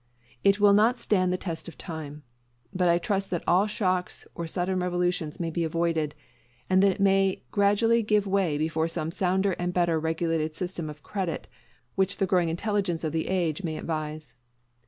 It will not stand the test of time; but I trust that all shocks or sudden revolutions may be avoided, and that it may gradually give way before some sounder and better regulated system of credit which the growing intelligence of the age may devise.